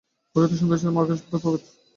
পুরোহিত ও সন্ন্যাসীদের মধ্যে আকাশ-পাতাল প্রভেদ।